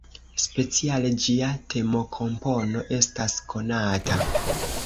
Speciale ĝia temokompono estas konata.